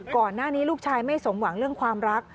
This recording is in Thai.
ก่อนหน้านี้ลูกชายไม่สมหวังเรื่องความรัก